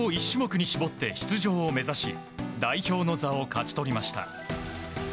１種目に絞って出場を目指し代表の座を勝ち取りました。